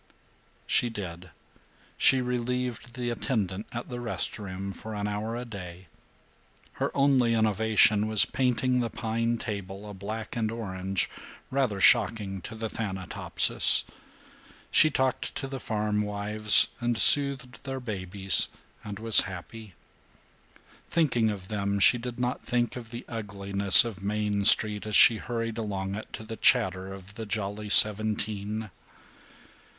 She did. She relieved the attendant at the rest room for an hour a day. Her only innovation was painting the pine table a black and orange rather shocking to the Thanatopsis. She talked to the farmwives and soothed their babies and was happy. Thinking of them she did not think of the ugliness of Main Street as she hurried along it to the chatter of the Jolly Seventeen.